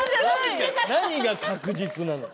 何が確実なの。